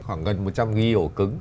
khoảng gần một trăm linh ghi ổ cứng